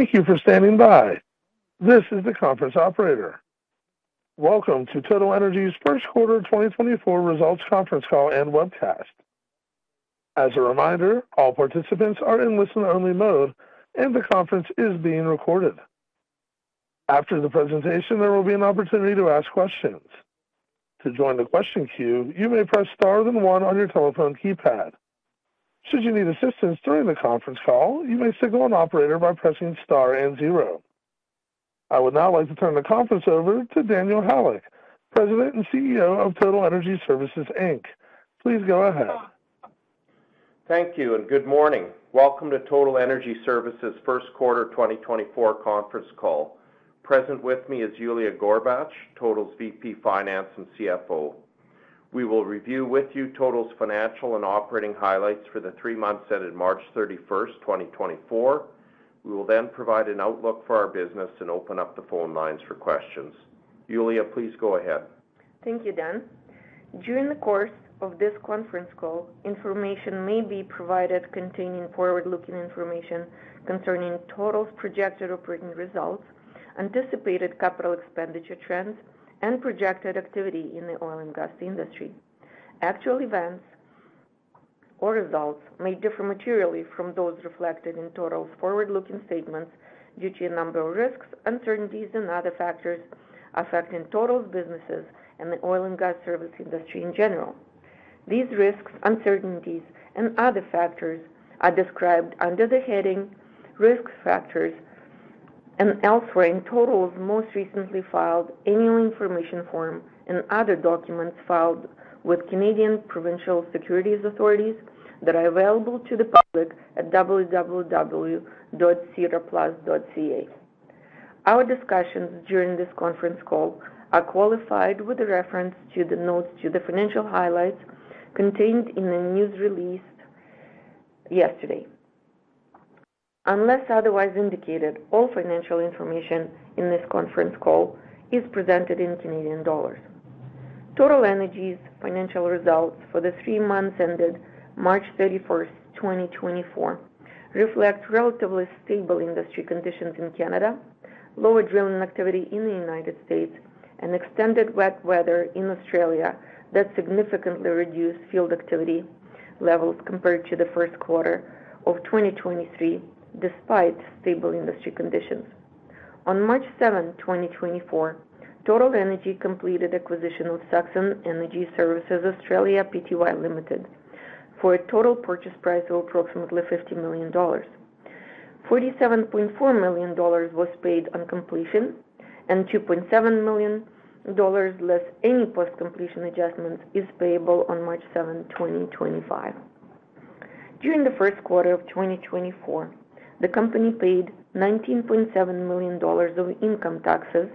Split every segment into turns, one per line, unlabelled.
Thank you for standing by. This is the conference operator. Welcome to Total Energy's Q1 2024 Results Conference Call and Webcast. As a reminder, all participants are in listen-only mode and the conference is being recorded. After the presentation, there will be an opportunity to ask questions. To join the question queue, you may press star then 1 on your telephone keypad. Should you need assistance during the conference call, you may signal an operator by pressing star and 0. I would now like to turn the conference over to Daniel Halyk, President and CEO of Total Energy Services, Inc. Please go ahead.
Thank you and good morning. Welcome to Total Energy Services' Q1 2024 Conference Call. Present with me is Yuliya Gorbach, Total's VP Finance and CFO. We will review with you Total's financial and operating highlights for the three months ended March 31, 2024. We will then provide an outlook for our business and open up the phone lines for questions. Yuliya, please go ahead.
Thank you, Dan. During the course of this conference call, information may be provided containing forward-looking information concerning Total's projected operating results, anticipated capital expenditure trends, and projected activity in the oil and gas industry. Actual events or results may differ materially from those reflected in Total's forward-looking statements due to a number of risks, uncertainties, and other factors affecting Total's businesses and the oil and gas service industry in general. These risks, uncertainties, and other factors are described under the heading Risk Factors and elsewhere in Total's most recently filed annual information form and other documents filed with Canadian Provincial Securities Authorities that are available to the public at www.sedarplus.ca. Our discussions during this conference call are qualified with reference to the notes to the financial highlights contained in the news release yesterday. Unless otherwise indicated, all financial information in this conference call is presented in Canadian dollars. Total Energy's financial results for the three months ended March 31, 2024, reflect relatively stable industry conditions in Canada, lower drilling activity in the United States, and extended wet weather in Australia that significantly reduced field activity levels compared to the Q1 of 2023 despite stable industry conditions. On March 7, 2024, Total Energy completed acquisition of Saxon Energy Services Australia Pty Ltd. for a total purchase price of approximately 50 million dollars. 47.4 million dollars was paid on completion, and 2.7 million dollars less any post-completion adjustments is payable on March 7, 2025. During the Q1 of 2024, the company paid 19.7 million dollars of income taxes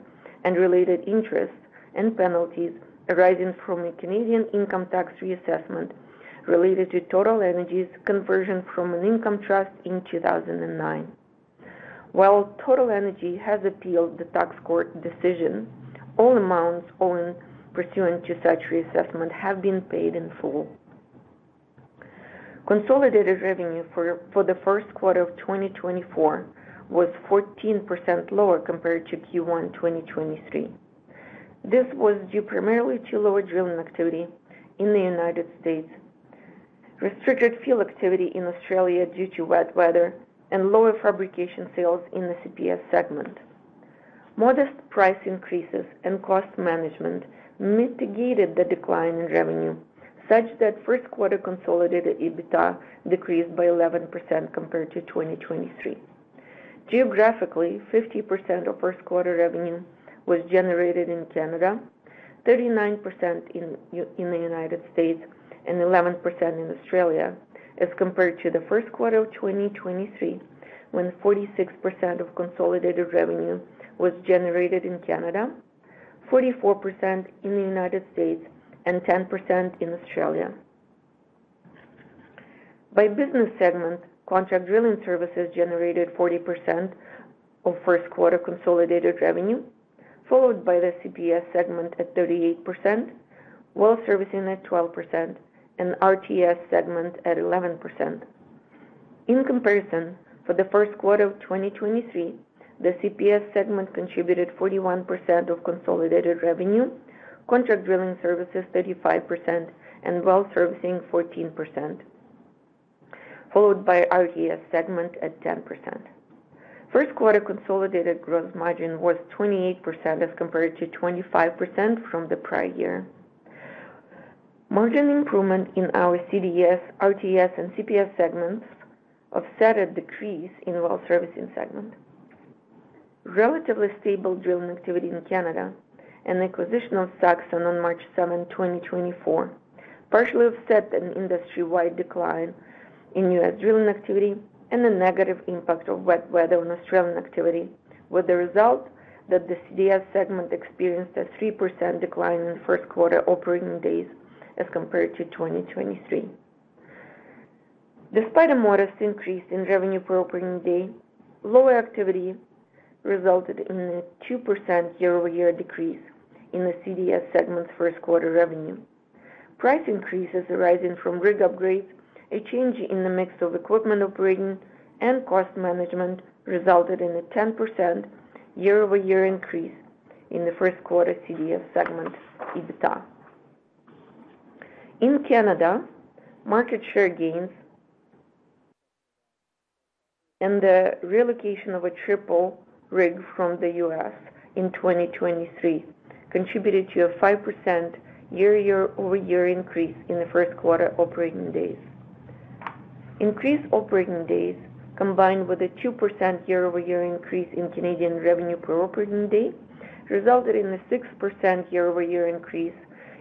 and related interests and penalties arising from a Canadian income tax reassessment related to Total Energy's conversion from an income trust in 2009. While Total Energy has appealed the tax court decision, all amounts pursuant to such reassessment have been paid in full. Consolidated revenue for the Q1 of 2024 was 14% lower compared to Q1 2023. This was due primarily to lower drilling activity in the United States, restricted field activity in Australia due to wet weather, and lower fabrication sales in the CPS segment. Modest price increases and cost management mitigated the decline in revenue such that Q1 consolidated EBITDA decreased by 11% compared to 2023. Geographically, 50% of Q1 revenue was generated in Canada, 39% in the United States, and 11% in Australia as compared to the Q1 of 2023 when 46% of consolidated revenue was generated in Canada, 44% in the United States, and 10% in Australia. By business segment, contract drilling services generated 40% of Q1 consolidated revenue, followed by the CPS segment at 38%, Well Servicing at 12%, and RTS segment at 11%. In comparison, for the Q1 of 2023, the CPS segment contributed 41% of consolidated revenue, contract drilling services 35%, and Well Servicing 14%, followed by RTS segment at 10%. Q1 consolidated gross margin was 28% as compared to 25% from the prior year. Margin improvement in our CDS, RTS, and CPS segments offset a decrease in Well Servicing segment. Relatively stable drilling activity in Canada and acquisition of Saxon on March 7, 2024, partially offset an industry-wide decline in U.S. drilling activity and a negative impact of wet weather on Australian activity with the result that the CDS segment experienced a 3% decline in Q1 operating days as compared to 2023. Despite a modest increase in revenue per operating day, lower activity resulted in a 2% year-over-year decrease in the CDS segment's Q1 revenue. Price increases arising from rig upgrades, a change in the mix of equipment operating, and cost management resulted in a 10% year-over-year increase in the Q1 CDS segment EBITDA. In Canada, market share gains and the relocation of a triple rig from the U.S. in 2023 contributed to a 5% year-over-year increase in the Q1 operating days. Increased operating days combined with a 2% year-over-year increase in Canadian revenue per operating day resulted in a 6% year-over-year increase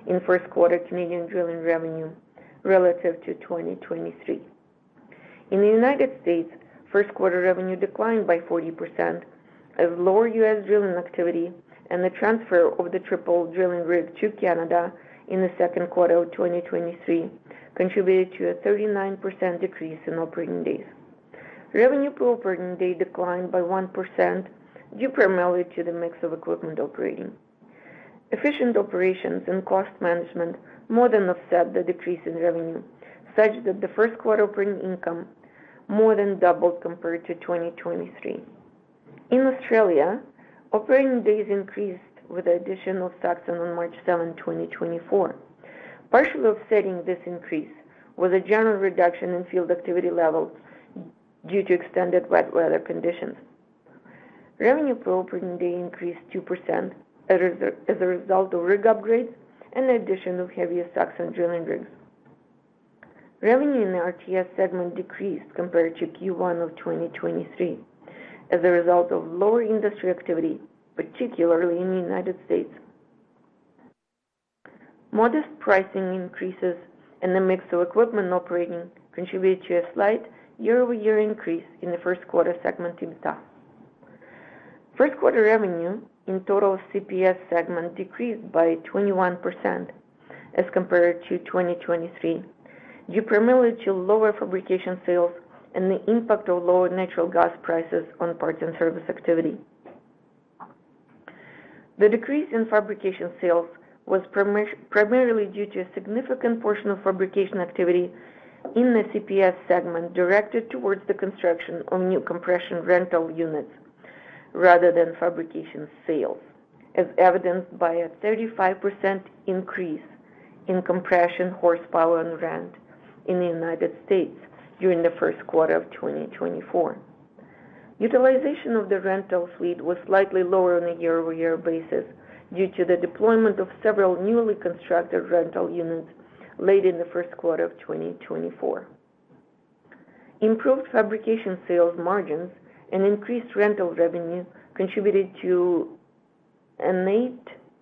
in Q1 Canadian drilling revenue relative to 2023. In the United States, Q1 revenue declined by 40% as lower U.S. drilling activity and the transfer of the triple drilling rig to Canada in the Q2 of 2023 contributed to a 39% decrease in operating days. Revenue per operating day declined by 1% due primarily to the mix of equipment operating. Efficient operations and cost management more than offset the decrease in revenue such that the Q1 operating income more than doubled compared to 2023. In Australia, operating days increased with the addition of Saxon on March 7, 2024. Partially offsetting this increase was a general reduction in field activity levels due to extended wet weather conditions. Revenue per operating day increased 2% as a result of rig upgrades and the addition of heavier Saxon drilling rigs. Revenue in the RTS segment decreased compared to Q1 of 2023 as a result of lower industry activity, particularly in the United States. Modest pricing increases in the mix of equipment operating contributed to a slight year-over-year increase in the Q1 segment EBITDA. Q1 revenue in total CPS segment decreased by 21% as compared to 2023 due primarily to lower fabrication sales and the impact of lower natural gas prices on parts and service activity. The decrease in fabrication sales was primarily due to a significant portion of fabrication activity in the CPS segment directed towards the construction of new compression rental units rather than fabrication sales as evidenced by a 35% increase in compression horsepower and rent in the United States during the Q1 of 2024. Utilization of the rental fleet was slightly lower on a year-over-year basis due to the deployment of several newly constructed rental units late in the Q1 of 2024. Improved fabrication sales margins and increased rental revenue contributed to an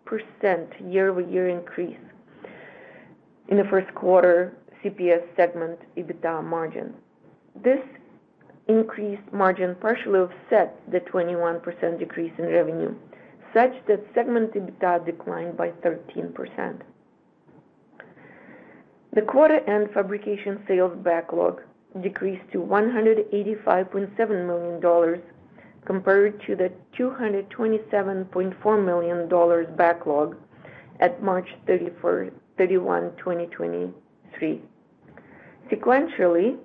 8% year-over-year increase in the Q1 CPS segment EBITDA margin. This increased margin partially offset the 21% decrease in revenue such that segment EBITDA declined by 13%. The quarter-end fabrication sales backlog decreased to 185.7 million dollars compared to the 227.4 million dollars backlog at March 31, 2023. Sequentially,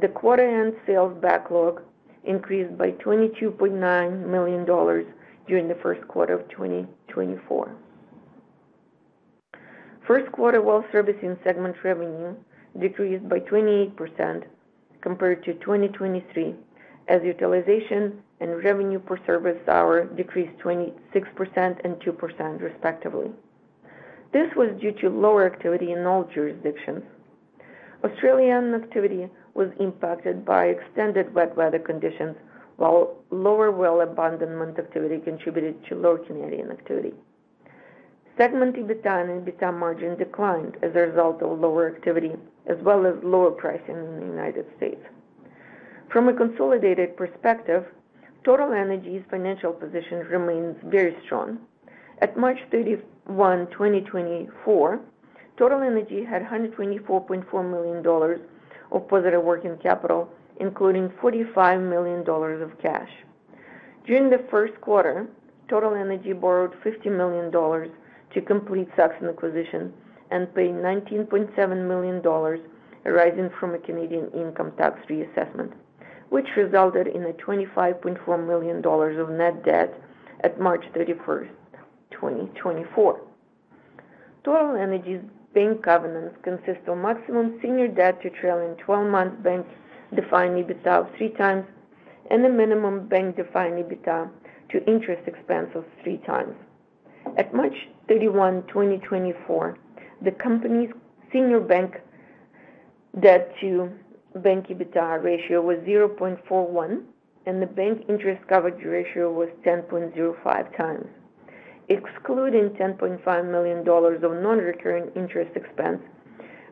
the quarter-end sales backlog increased by 22.9 million dollars during the Q1 of 2024. Q1 Well Servicing segment revenue decreased by 28% compared to 2023 as utilization and revenue per service hour decreased 26% and 2% respectively. This was due to lower activity in all jurisdictions. Australian activity was impacted by extended wet weather conditions while lower well abandonment activity contributed to lower Canadian activity. Segment EBITDA and EBITDA margin declined as a result of lower activity as well as lower pricing in the United States. From a consolidated perspective, Total Energy's financial position remains very strong. At March 31, 2024, Total Energy had 124.4 million dollars of positive working capital, including 45 million dollars of cash. During the Q1, Total Energy borrowed 50 million dollars to complete Saxon acquisition and paid 19.7 million dollars arising from a Canadian income tax reassessment, which resulted in a 25.4 million dollars of net debt at March 31, 2024. Total Energy's bank covenants consist of maximum senior debt to trailing 12-month bank-defined EBITDA of three times and a minimum bank-defined EBITDA to interest expense of three times. At March 31, 2024, the company's senior bank debt to bank EBITDA ratio was 0.41, and the bank interest coverage ratio was 10.05 times. Excluding 10.5 million dollars of non-recurring interest expense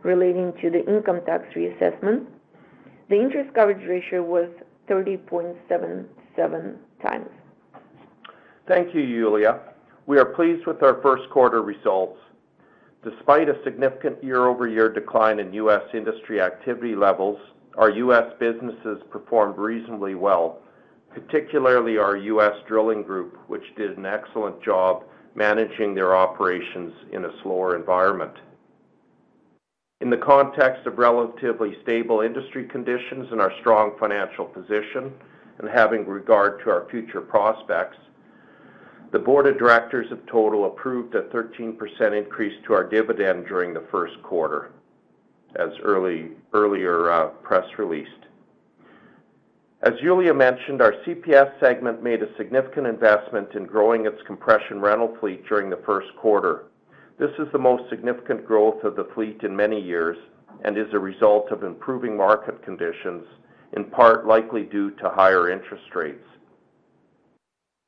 relating to the income tax reassessment, the interest coverage ratio was 30.77 times.
Thank you, Yuliya. We are pleased with our Q1 results. Despite a significant year-over-year decline in U.S. industry activity levels, our U.S. businesses performed reasonably well, particularly our U.S. drilling group, which did an excellent job managing their operations in a slower environment. In the context of relatively stable industry conditions and our strong financial position and having regard to our future prospects, the board of directors of Total approved a 13% increase to our dividend during the Q1 as earlier press released. As Yuliya mentioned, our CPS segment made a significant investment in growing its compression rental fleet during the Q1. This is the most significant growth of the fleet in many years and is a result of improving market conditions, in part likely due to higher interest rates.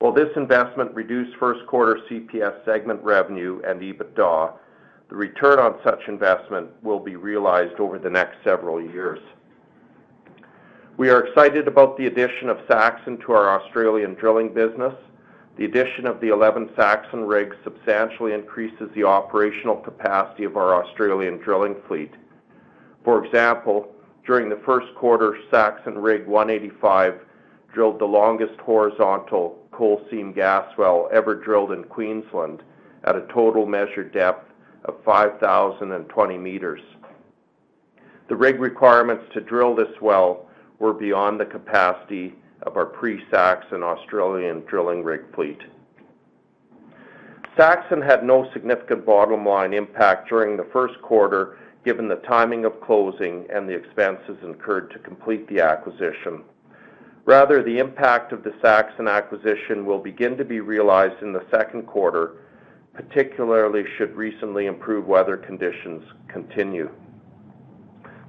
While this investment reduced Q1 CPS segment revenue and EBITDA, the return on such investment will be realized over the next several years. We are excited about the addition of Saxon to our Australian drilling business. The addition of the 11 Saxon rigs substantially increases the operational capacity of our Australian drilling fleet. For example, during the Q1, Saxon Rig 185 drilled the longest horizontal coal seam gas well ever drilled in Queensland at a total measured depth of 5,020 meters. The rig requirements to drill this well were beyond the capacity of our pre-Saxon Australian drilling fleet. Saxon had no significant bottom-line impact during the Q1 given the timing of closing and the expenses incurred to complete the acquisition. Rather, the impact of the Saxon acquisition will begin to be realized in the Q2, particularly should recently improved weather conditions continue.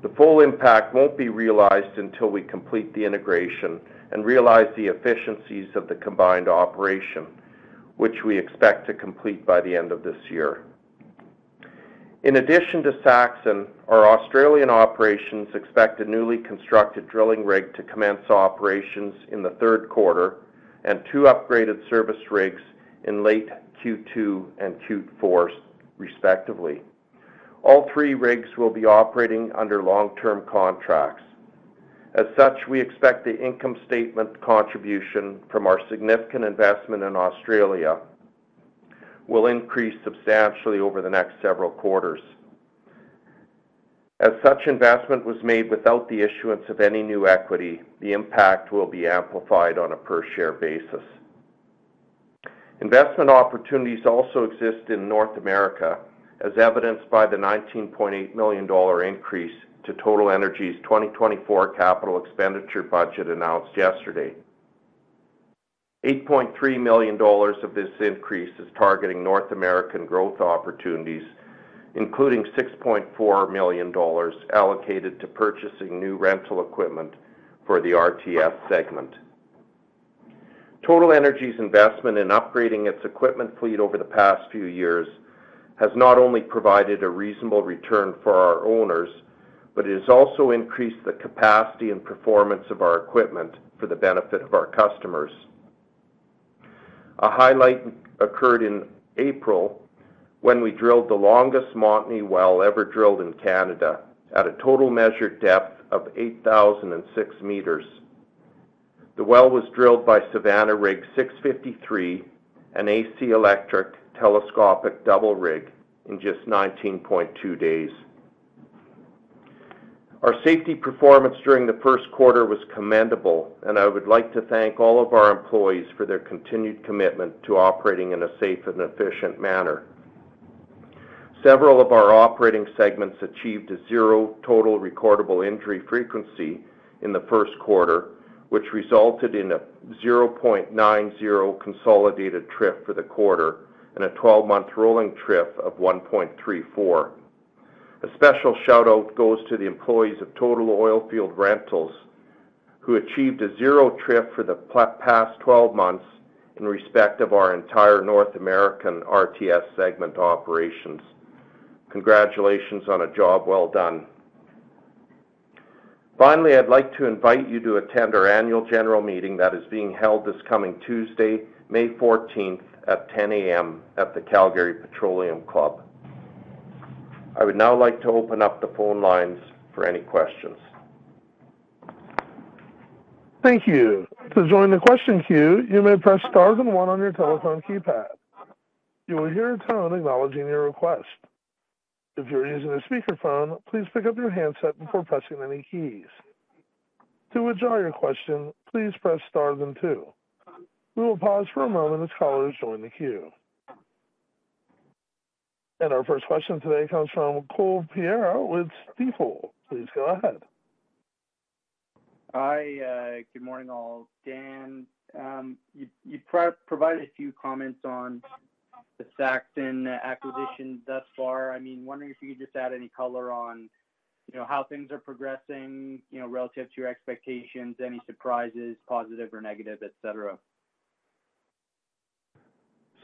The full impact won't be realized until we complete the integration and realize the efficiencies of the combined operation, which we expect to complete by the end of this year. In addition to Saxon, our Australian operations expect a newly constructed drilling rig to commence operations in the Q3 and two upgraded service rigs in late Q2 and Q4 respectively. All three rigs will be operating under long-term contracts. As such, we expect the income statement contribution from our significant investment in Australia will increase substantially over the next several quarters. As such investment was made without the issuance of any new equity, the impact will be amplified on a per-share basis. Investment opportunities also exist in North America as evidenced by the 19.8 million dollar increase to Total Energy Services' 2024 capital expenditure budget announced yesterday. 8.3 million of this increase is targeting North American growth opportunities, including 6.4 million dollars allocated to purchasing new rental equipment for the RTS segment. Total Energy's investment in upgrading its equipment fleet over the past few years has not only provided a reasonable return for our owners but it has also increased the capacity and performance of our equipment for the benefit of our customers. A highlight occurred in April when we drilled the longest Montney well ever drilled in Canada at a total measured depth of 8,006 meters. The well was drilled by Savanna rig 653, an AC electric telescopic double rig, in just 19.2 days. Our safety performance during the Q1 was commendable, and I would like to thank all of our employees for their continued commitment to operating in a safe and efficient manner. Several of our operating segments achieved a zero Total Recordable Injury Frequency in the Q1, which resulted in a 0.90 consolidated TRIF for the quarter and a 12-month rolling TRIF of 1.34. A special shout-out goes to the employees of Total Oilfield Rentals, who achieved a zero TRIF for the past 12 months in respect of our entire North American RTS segment operations. Congratulations on a job well done. Finally, I'd like to invite you to attend our annual general meeting that is being held this coming Tuesday, May 14, at 10:00 A.M. at the Calgary Petroleum Club. I would now like to open up the phone lines for any questions.
Thank you. To join the question queue, you may press star and one on your telephone keypad. You will hear a tone acknowledging your request. If you're using a speakerphone, please pick up your handset before pressing any keys. To withdraw your question, please press star and two. We will pause for a moment as callers join the queue. Our first question today comes from Cole Pereira with Stifel. Please go ahead.
Hi. Good morning, all. Dan, you provided a few comments on the Saxon acquisition thus far. I mean, wondering if you could just add any color on how things are progressing relative to your expectations, any surprises, positive or negative,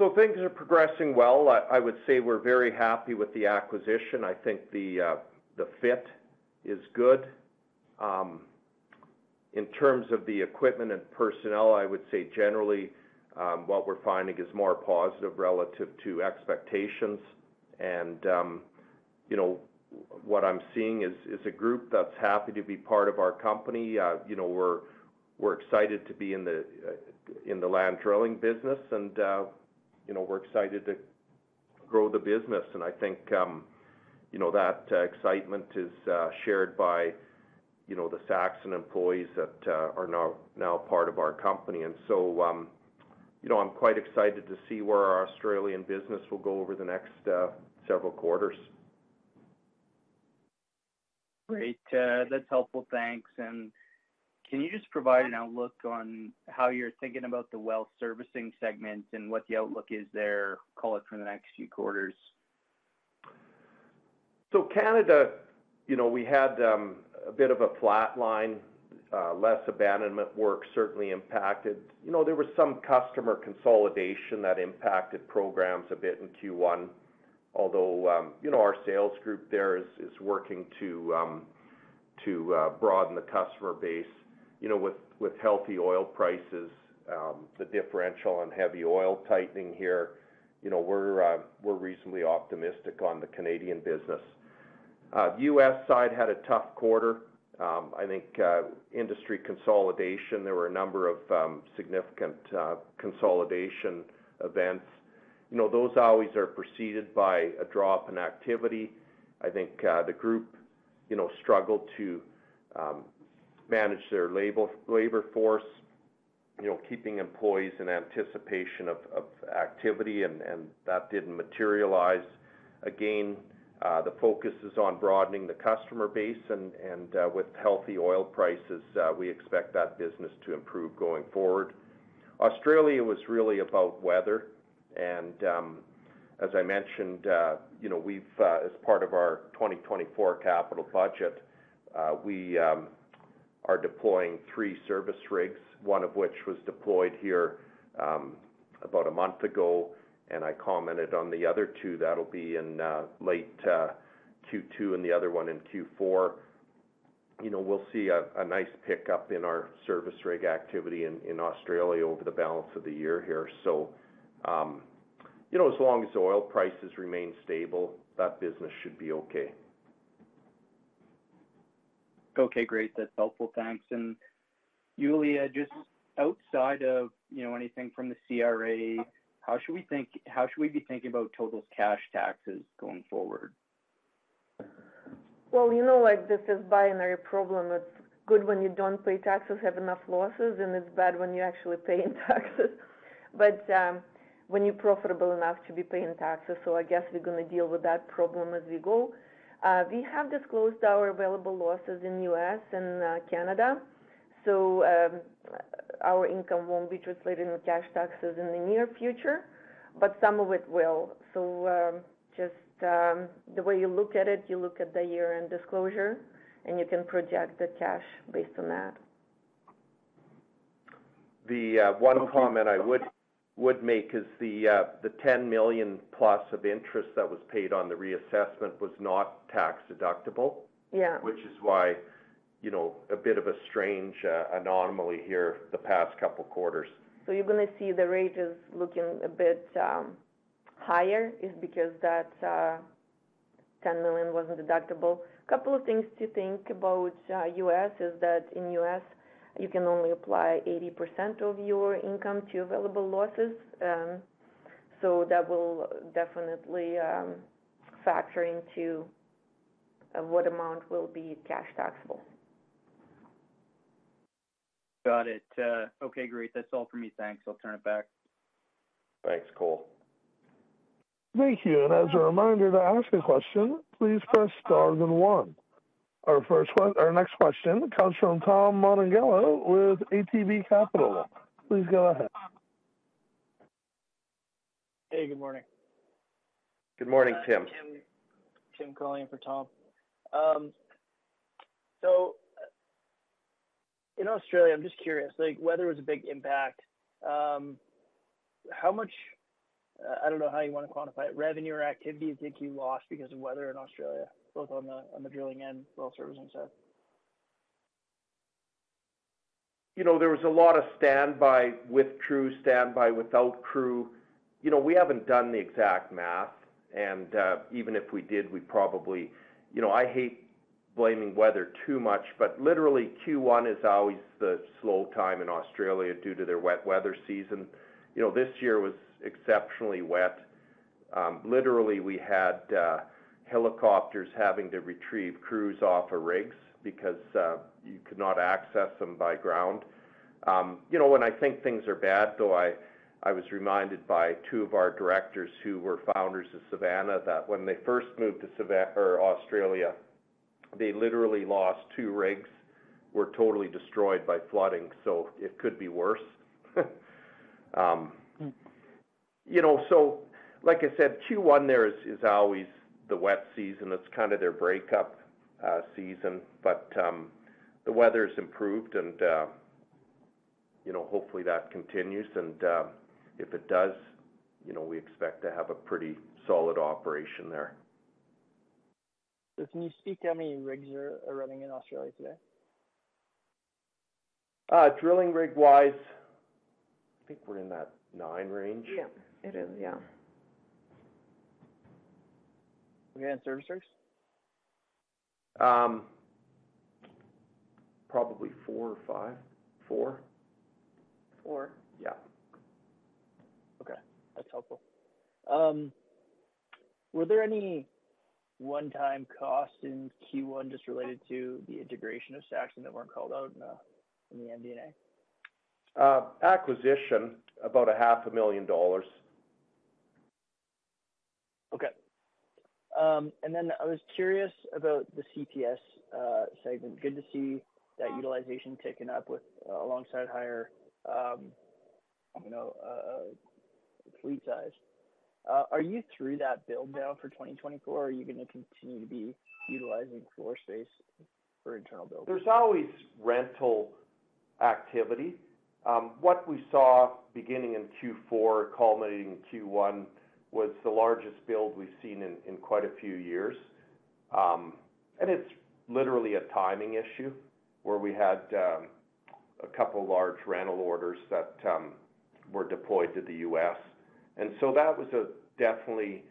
etc.?
Things are progressing well. I would say we're very happy with the acquisition. I think the fit is good. In terms of the equipment and personnel, I would say generally what we're finding is more positive relative to expectations. What I'm seeing is a group that's happy to be part of our company. We're excited to be in the land drilling business, and we're excited to grow the business. I think that excitement is shared by the Saxon employees that are now part of our company. I'm quite excited to see where our Australian business will go over the next several quarters.
Great. That's helpful. Thanks. And can you just provide an outlook on how you're thinking about the Well Servicing segment and what the outlook is there, call it, for the next few quarters?
So Canada, we had a bit of a flat line. Less abandonment work certainly impacted. There was some customer consolidation that impacted programs a bit in Q1, although our sales group there is working to broaden the customer base. With healthy oil prices, the differential, and heavy oil tightening here, we're reasonably optimistic on the Canadian business. The U.S. side had a tough quarter. I think industry consolidation, there were a number of significant consolidation events. Those always are preceded by a drop in activity. I think the group struggled to manage their labor force, keeping employees in anticipation of activity, and that didn't materialize. Again, the focus is on broadening the customer base, and with healthy oil prices, we expect that business to improve going forward. Australia was really about weather. As I mentioned, as part of our 2024 capital budget, we are deploying three service rigs, one of which was deployed here about a month ago. I commented on the other two. That'll be in late Q2 and the other one in Q4. We'll see a nice pickup in our service rig activity in Australia over the balance of the year here. So as long as oil prices remain stable, that business should be okay.
Okay. Great. That's helpful. Thanks. And Yuliya, just outside of anything from the CRA, how should we be thinking about Total's cash taxes going forward?
Well, this is a binary problem. It's good when you don't pay taxes, have enough losses, and it's bad when you're actually paying taxes, but when you're profitable enough to be paying taxes. So I guess we're going to deal with that problem as we go. We have disclosed our available losses in the U.S. and Canada, so our income won't be translated in cash taxes in the near future, but some of it will. So just the way you look at it, you look at the year-end disclosure, and you can project the cash based on that.
The one comment I would make is the 10 million+ of interest that was paid on the reassessment was not tax deductible, which is why a bit of a strange anomaly here the past couple of quarters.
So you're going to see the wages looking a bit higher is because that 10 million wasn't deductible. A couple of things to think about. U.S. is that in the U.S., you can only apply 80% of your income to available losses. So that will definitely factor into what amount will be cash taxable.
Got it. Okay. Great. That's all from me. Thanks. I'll turn it back.
Thanks, Cole.
Thank you. And as a reminder to ask a question, please press star and one. Our next question comes from Tim Monachello with ATB Capital. Please go ahead.
Hey. Good morning.
Good morning, Tim.
Tim calling in for Tom. So in Australia, I'm just curious. Weather was a big impact. How much—I don't know how you want to quantify it—revenue or activity did you lose because of weather in Australia, both on the drilling and Well Servicing side?
There was a lot of standby, with crew, standby without crew. We haven't done the exact math, and even if we did, we'd probably I hate blaming weather too much, but literally, Q1 is always the slow time in Australia due to their wet weather season. This year was exceptionally wet. Literally, we had helicopters having to retrieve crews off of rigs because you could not access them by ground. When I think things are bad, though, I was reminded by two of our directors who were founders of Savanna that when they first moved to Australia, they literally lost two rigs, were totally destroyed by flooding, so it could be worse. So like I said, Q1 there is always the wet season. It's kind of their breakup season, but the weather's improved, and hopefully, that continues. And if it does, we expect to have a pretty solid operation there.
Can you speak how many rigs are running in Australia today?
Drilling rig-wise, I think we're in that 9 range.
Yeah. It is. Yeah.
Okay. And service rigs?
Probably 4 or 5. 4.
Four?
Yeah.
Okay. That's helpful. Were there any one-time costs in Q1 just related to the integration of Saxon that weren't called out in the MD&A?
Acquisition, about CAD 500,000.
Okay. And then I was curious about the CPS segment. Good to see that utilization ticking up alongside higher fleet size. Are you through that build now for 2024, or are you going to continue to be utilizing floor space for internal buildings?
There's always rental activity. What we saw beginning in Q4, culminating in Q1, was the largest build we've seen in quite a few years. It's literally a timing issue where we had a couple of large rental orders that were deployed to the U.S. So that was definitely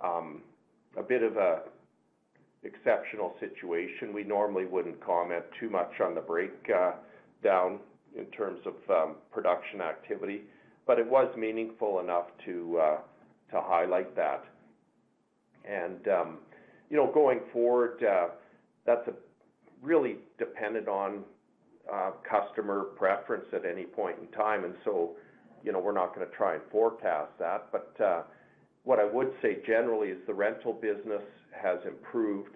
a bit of an exceptional situation. We normally wouldn't comment too much on the breakdown in terms of production activity, but it was meaningful enough to highlight that. Going forward, that's really dependent on customer preference at any point in time. So we're not going to try and forecast that. But what I would say generally is the rental business has improved,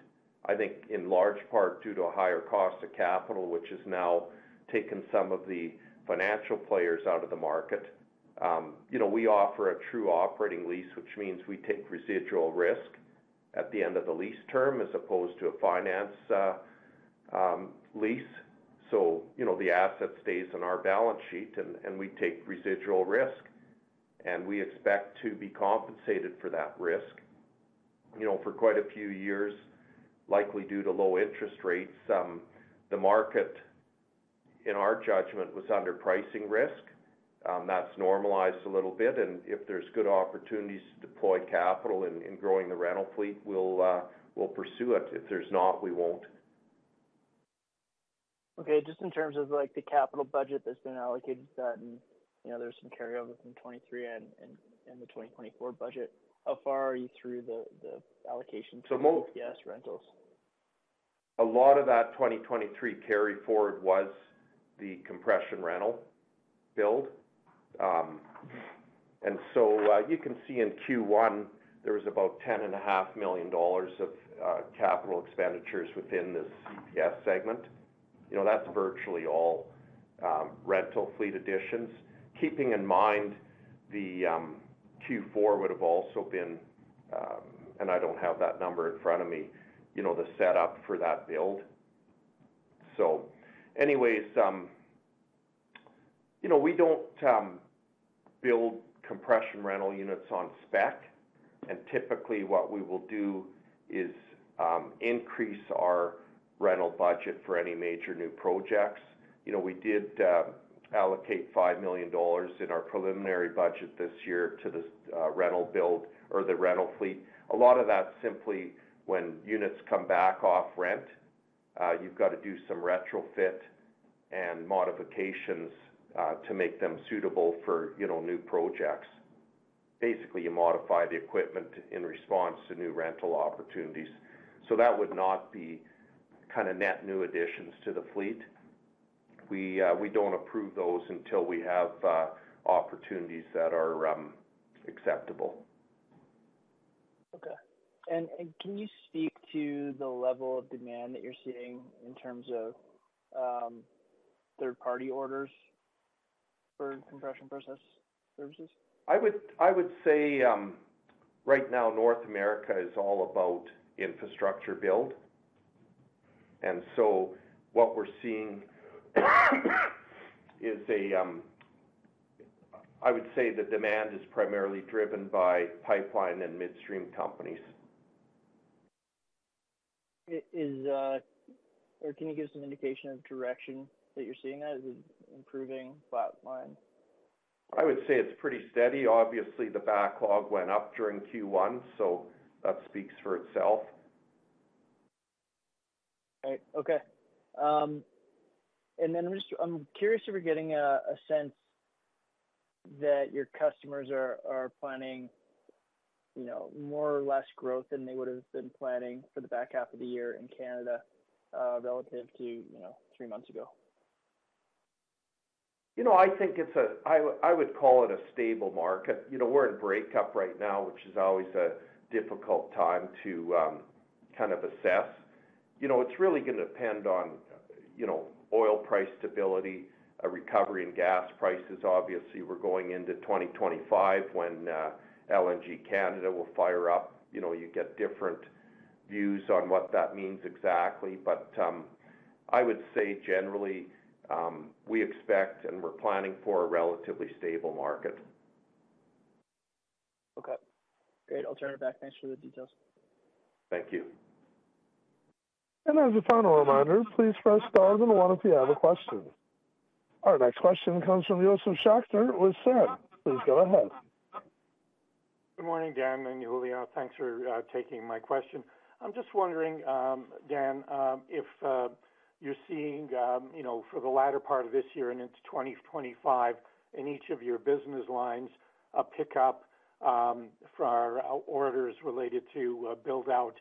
I think, in large part due to a higher cost of capital, which has now taken some of the financial players out of the market. We offer a true operating lease, which means we take residual risk at the end of the lease term as opposed to a finance lease. So the asset stays in our balance sheet, and we take residual risk. And we expect to be compensated for that risk for quite a few years, likely due to low interest rates. The market, in our judgment, was under pricing risk. That's normalized a little bit. And if there's good opportunities to deploy capital in growing the rental fleet, we'll pursue it. If there's not, we won't.
Okay. Just in terms of the capital budget that's been allocated to that, and there's some carryover from 2023 and the 2024 budget, how far are you through the allocation to CPS rentals?
A lot of that 2023 carryforward was the compression rental build. And so you can see in Q1, there was about 10.5 million dollars of capital expenditures within the CPS segment. That's virtually all rental fleet additions. Keeping in mind, the Q4 would have also been, and I don't have that number in front of me, the setup for that build. So anyways, we don't build compression rental units on spec. And typically, what we will do is increase our rental budget for any major new projects. We did allocate 5 million dollars in our preliminary budget this year to the rental build or the rental fleet. A lot of that's simply when units come back off rent, you've got to do some retrofit and modifications to make them suitable for new projects. Basically, you modify the equipment in response to new rental opportunities. That would not be kind of net new additions to the fleet. We don't approve those until we have opportunities that are acceptable.
Okay. Can you speak to the level of demand that you're seeing in terms of third-party orders for compression and process services?
I would say right now, North America is all about infrastructure build. So what we're seeing is, I would say, the demand is primarily driven by pipeline and midstream companies.
Or can you give some indication of direction that you're seeing that? Is it improving flat line?
I would say it's pretty steady. Obviously, the backlog went up during Q1, so that speaks for itself.
Okay. And then I'm curious if you're getting a sense that your customers are planning more or less growth than they would have been planning for the back half of the year in Canada relative to three months ago?
I think it's. I would call it a stable market. We're in breakup right now, which is always a difficult time to kind of assess. It's really going to depend on oil price stability, recovery in gas prices. Obviously, we're going into 2025 when LNG Canada will fire up. You get different views on what that means exactly. But I would say generally, we expect and we're planning for a relatively stable market.
Okay. Great. I'll turn it back. Thanks for the details.
Thank you.
As a final reminder, please press star and one if you have a question. Our next question comes from Josef Schachter with Schachter Energy Research. Please go ahead.
Good morning, Dan. And Yuliya, thanks for taking my question. I'm just wondering, Dan, if you're seeing for the latter part of this year and into 2025, in each of your business lines, a pickup for our orders related to build-out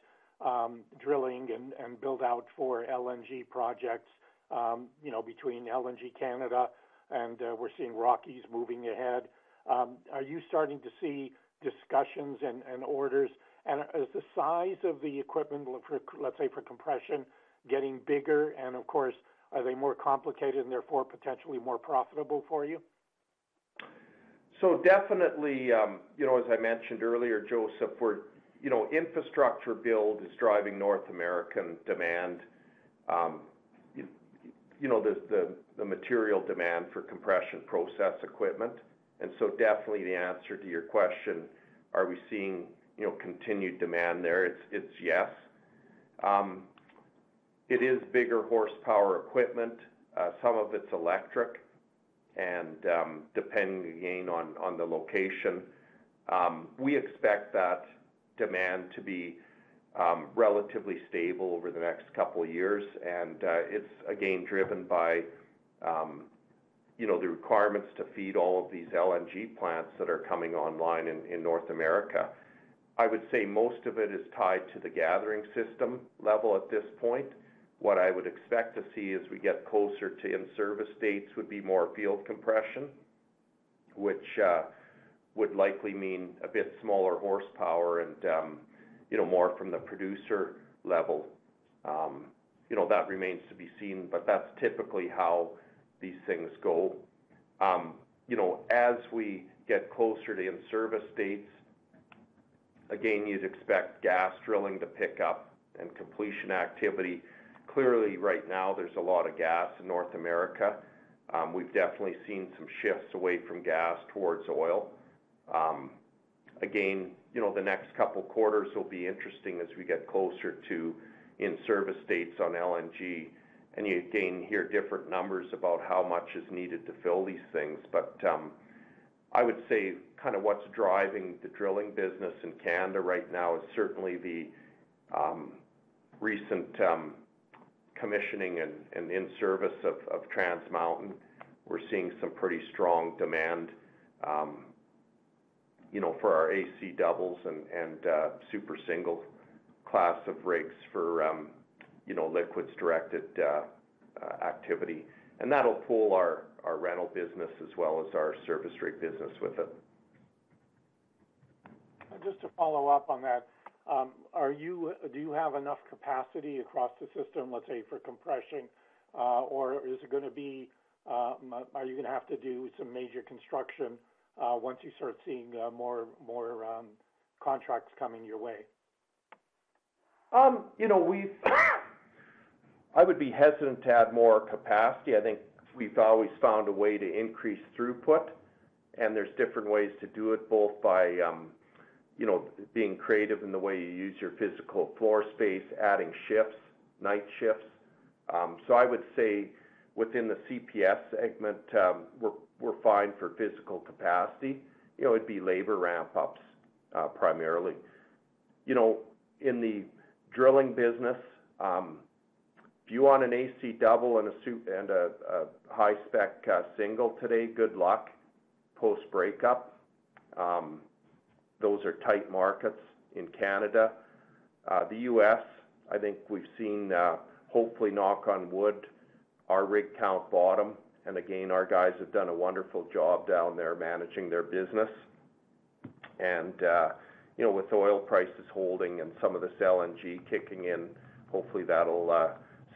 drilling and build-out for LNG projects between LNG Canada, and we're seeing Rockies moving ahead. Are you starting to see discussions and orders? And is the size of the equipment, let's say, for compression, getting bigger? And of course, are they more complicated and therefore potentially more profitable for you?
So definitely, as I mentioned earlier, Joseph, infrastructure build is driving North American demand, the material demand for compression process equipment. And so definitely, the answer to your question, are we seeing continued demand there? It's yes. It is bigger horsepower equipment. Some of it's electric, and depending again on the location, we expect that demand to be relatively stable over the next couple of years. And it's, again, driven by the requirements to feed all of these LNG plants that are coming online in North America. I would say most of it is tied to the gathering system level at this point. What I would expect to see as we get closer to in-service dates would be more field compression, which would likely mean a bit smaller horsepower and more from the producer level. That remains to be seen, but that's typically how these things go. As we get closer to in-service dates, again, you'd expect gas drilling to pick up and completion activity. Clearly, right now, there's a lot of gas in North America. We've definitely seen some shifts away from gas towards oil. Again, the next couple of quarters will be interesting as we get closer to in-service dates on LNG. And you, again, hear different numbers about how much is needed to fill these things. But I would say kind of what's driving the drilling business in Canada right now is certainly the recent commissioning and in-service of Trans Mountain. We're seeing some pretty strong demand for our AC doubles and super single class of rigs for liquids-directed activity. And that'll pull our rental business as well as our service rig business with it.
And just to follow up on that, do you have enough capacity across the system, let's say, for compression, or is it going to be, are you going to have to do some major construction once you start seeing more contracts coming your way?
I would be hesitant to add more capacity. I think we've always found a way to increase throughput, and there's different ways to do it, both by being creative in the way you use your physical floor space, adding shifts, night shifts. So I would say within the CPS segment, we're fine for physical capacity. It'd be labor ramp-ups primarily. In the drilling business, if you want an AC double and a high-spec single today, good luck post-breakup. Those are tight markets in Canada. The U.S., I think we've seen, hopefully, knock on wood, our rig count bottom. And again, our guys have done a wonderful job down there managing their business. And with oil prices holding and some of this LNG kicking in, hopefully, that'll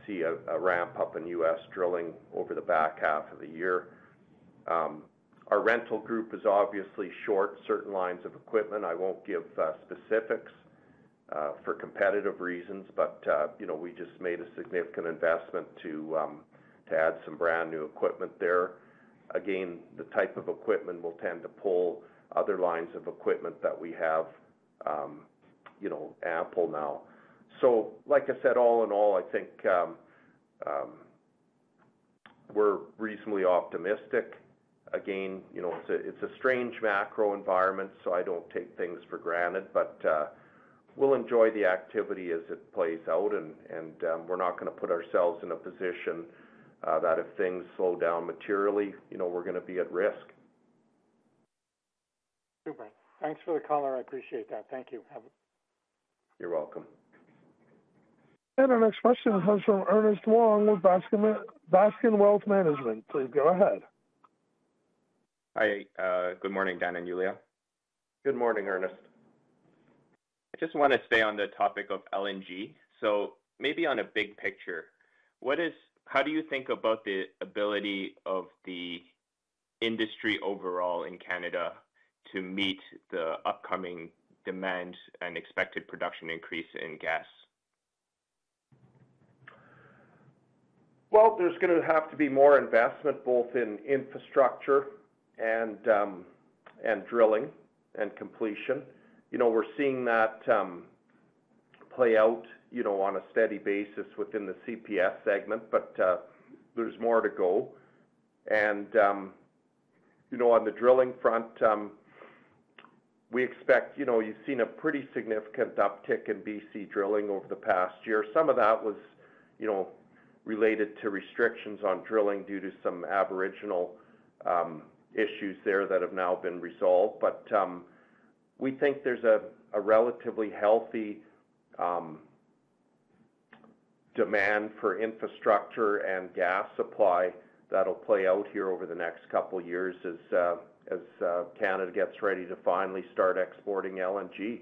see a ramp-up in U.S. drilling over the back half of the year. Our rental group is obviously short certain lines of equipment. I won't give specifics for competitive reasons, but we just made a significant investment to add some brand new equipment there. Again, the type of equipment will tend to pull other lines of equipment that we have ample now. So like I said, all in all, I think we're reasonably optimistic. Again, it's a strange macro environment, so I don't take things for granted. But we'll enjoy the activity as it plays out, and we're not going to put ourselves in a position that if things slow down materially, we're going to be at risk.
Super. Thanks for the caller. I appreciate that. Thank you. Have a.
You're welcome.
Our next question comes from Ernest Wong with Baskin Wealth Management. Please go ahead.
Hi. Good morning, Dan and Yuliya.
Good morning, Ernest.
I just want to stay on the topic of LNG. Maybe on a big picture, how do you think about the ability of the industry overall in Canada to meet the upcoming demand and expected production increase in gas?
Well, there's going to have to be more investment both in infrastructure and drilling and completion. We're seeing that play out on a steady basis within the CPS segment, but there's more to go. On the drilling front, we expect you've seen a pretty significant uptick in BC drilling over the past year. Some of that was related to restrictions on drilling due to some Aboriginal issues there that have now been resolved. We think there's a relatively healthy demand for infrastructure and gas supply that'll play out here over the next couple of years as Canada gets ready to finally start exporting LNG.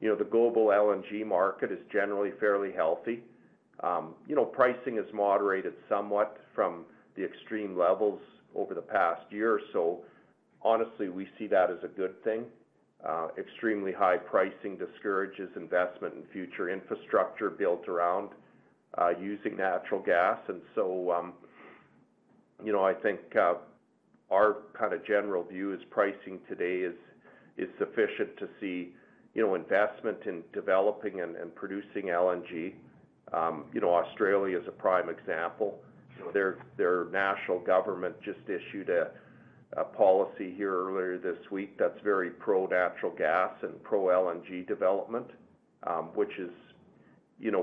The global LNG market is generally fairly healthy. Pricing is moderated somewhat from the extreme levels over the past year or so. Honestly, we see that as a good thing. Extremely high pricing discourages investment in future infrastructure built around using natural gas. I think our kind of general view is pricing today is sufficient to see investment in developing and producing LNG. Australia is a prime example. Their national government just issued a policy here earlier this week that's very pro-natural gas and pro-LNG development, which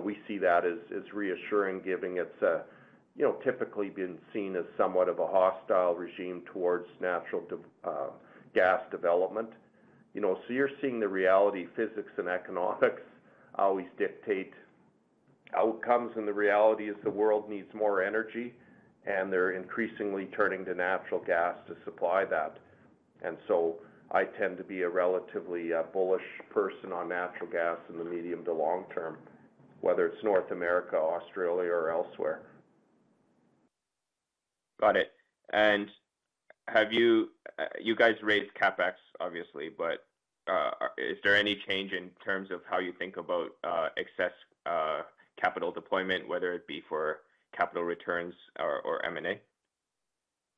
we see that as reassuring, given it's typically been seen as somewhat of a hostile regime towards natural gas development. So you're seeing the reality. Physics and economics always dictate outcomes. And the reality is the world needs more energy, and they're increasingly turning to natural gas to supply that. I tend to be a relatively bullish person on natural gas in the medium to long term, whether it's North America, Australia, or elsewhere.
Got it. You guys raise CapEx, obviously, but is there any change in terms of how you think about excess capital deployment, whether it be for capital returns or M&A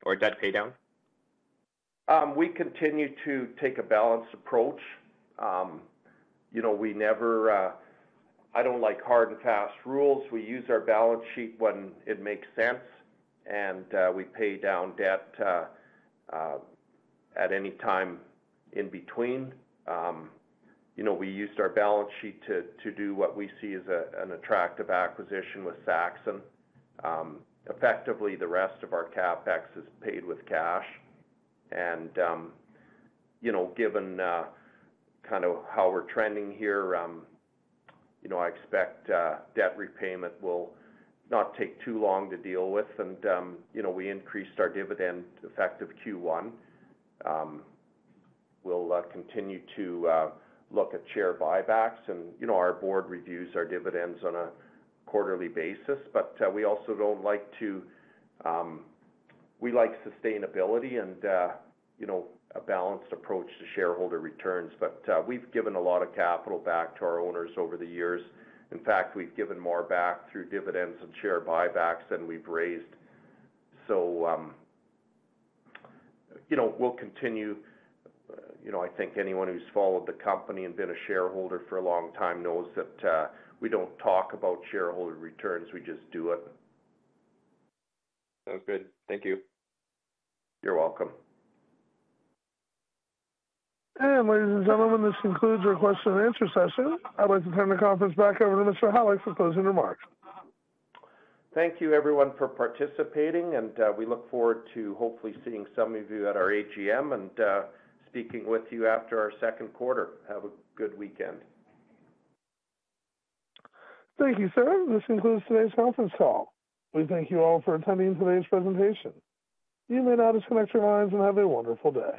or debt paydown?
We continue to take a balanced approach. I don't like hard and fast rules. We use our balance sheet when it makes sense, and we pay down debt at any time in between. We used our balance sheet to do what we see as an attractive acquisition with Saxon. Effectively, the rest of our CapEx is paid with cash. And given kind of how we're trending here, I expect debt repayment will not take too long to deal with. And we increased our dividend effective Q1. We'll continue to look at share buybacks. And our board reviews our dividends on a quarterly basis. But we also don't like to. We like sustainability and a balanced approach to shareholder returns. But we've given a lot of capital back to our owners over the years. In fact, we've given more back through dividends and share buybacks than we've raised. We'll continue. I think anyone who's followed the company and been a shareholder for a long time knows that we don't talk about shareholder returns. We just do it.
Sounds good. Thank you.
You're welcome.
Ladies and gentlemen, this concludes our question and answer session. I'd like to turn the conference back over to Mr. Halyk for closing remarks.
Thank you, everyone, for participating. We look forward to hopefully seeing some of you at our AGM and speaking with you after our Q2. Have a good weekend.
Thank you, sir. This concludes today's conference call. We thank you all for attending today's presentation. You may now disconnect your lines and have a wonderful day.